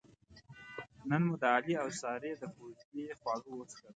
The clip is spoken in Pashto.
نن مو د علي اوسارې د کوزدې خواږه وڅښل.